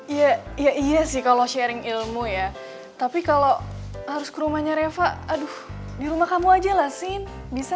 iya ya iya sih kalau sharing ilmu ya tapi kalau harus ke rumahnya reva aduh di rumah kamu aja lah sin bisa